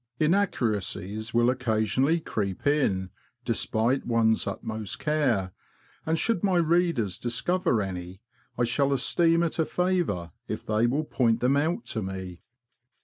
Inaccuracies will occasionally creep in, despite one's utmost care, and should my readers discover any, I shall esteem it a favour if they will point them out to me.